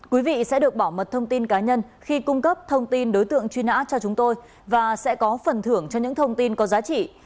quý vị sẽ được bảo mật thông tin cá nhân khi cung cấp thông tin đối tượng truy nã cho chúng tôi và sẽ có phần thưởng cho những thông tin có giá trị